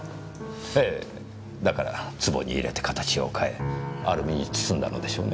ええだから壷に入れて形を変えアルミに包んだのでしょうね。